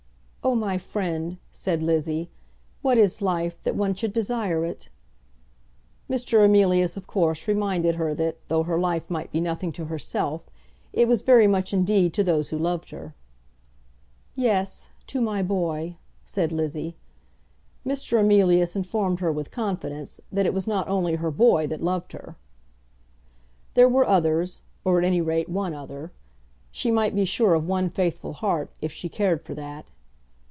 "Oh, my friend," said Lizzie, "what is life, that one should desire it?" Mr. Emilius of course reminded her that, though her life might be nothing to herself, it was very much indeed to those who loved her. "Yes; to my boy," said Lizzie. Mr. Emilius informed her, with confidence, that it was not only her boy that loved her. There were others; or, at any rate, one other. She might be sure of one faithful heart, if she cared for that.